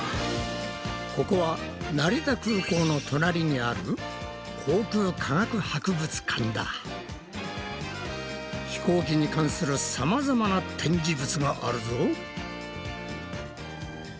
ここは成田空港の隣にある飛行機に関するさまざまな展示物があるぞ。